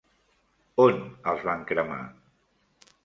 On els van cremar?